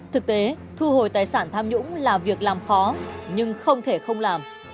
thực tế thu hồi tài sản tham nhũng là việc làm khó nhưng không thể không làm